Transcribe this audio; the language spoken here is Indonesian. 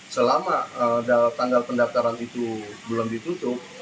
selama tanggal pendaftaran itu belum ditutup